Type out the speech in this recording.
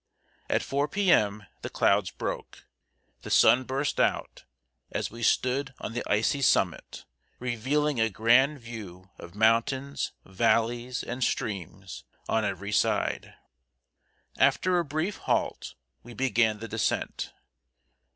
At 4 P.M. the clouds broke, the sun burst out, as we stood on the icy summit, revealing a grand view of mountains, valleys, and streams on every side. After a brief halt, we began the descent.